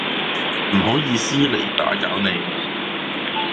唔好意思嚟打攪你